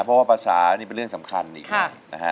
เพราะว่าภาษานี่เป็นเรื่องสำคัญอีกนะฮะ